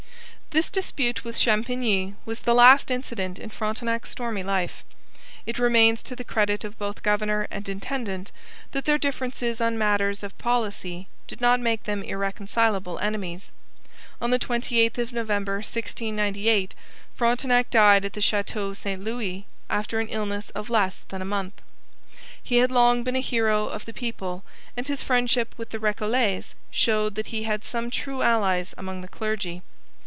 This dispute with Champigny was the last incident in Frontenac's stormy life. It remains to the credit of both governor and intendant that their differences on matters of policy did not make them irreconcilable enemies. On the 28th of November 1698 Frontenac died at the Chateau St Louis after an illness of less than a month. He had long been a hero of the people, and his friendship with the Recollets shows that he had some true allies among the clergy.